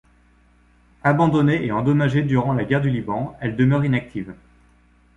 Abandonnée et endommagée durant la Guerre du Liban, elle demeure inactive.